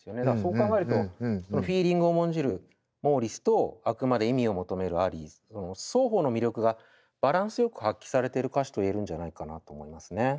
だからそう考えるとフィーリングを重んじるモーリスとあくまで意味を求めるアリーの双方の魅力がバランスよく発揮されてる歌詞と言えるんじゃないかなと思いますね。